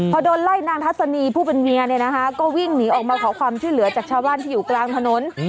พอโดนไล่นางทัศนีผู้เป็นเมียเนี่ยนะคะก็วิ่งหนีออกมาขอความช่วยเหลือจากชาวบ้านที่อยู่กลางถนน